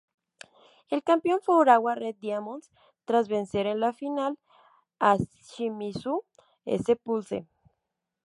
El campeón fue Urawa Red Diamonds, tras vencer en la final a Shimizu S-Pulse.